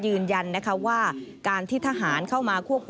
ยืนยันว่าการที่ทหารเข้ามาควบคุมตัว